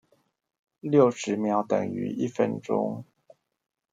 六十秒等於一分鐘